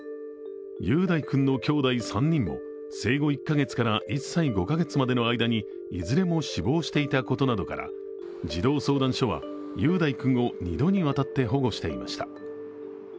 雄太君の兄弟３人も生後１カ月から１歳５カ月までの間にいずれも死亡していたことなどから、児童相談所は雄大君を２度にわたって保護していました。